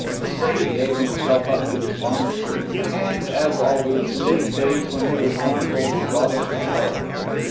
Freddie gave himself up to despondency: and, as always in these days when he was mournful, he thought of Jill.